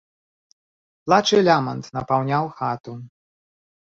Плач і лямант напаўняў хату.